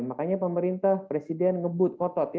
makanya pemerintah presiden ngebut kotot